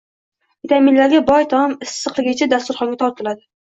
Vitaminlarga boy taom issiqligicha dasturxonga tortiladi